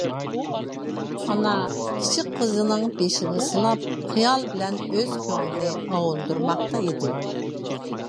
ئانا كىچىك قىزىنىڭ بېشىنى سىلاپ خىيال بىلەن ئۆز كۆڭلىنى ئاۋۇندۇرماقتا ئىدى.